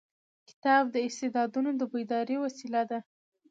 کتاب د استعدادونو د بیدارۍ وسیله ده.